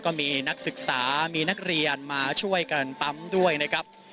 ก็มีนักศึกษามีนักเรียนมาช่วยกันปั๊มด้วยนะครับ